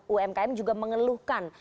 umkm juga mengeluhkan